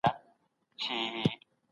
په تولید کي باید نوي وسایل وکارول سي.